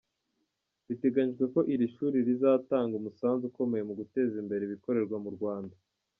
Biteganyijwe ko iri shuri rizatanga umusanzu ukomeye mu guteza imbere ibikorerwa mu Rwanda.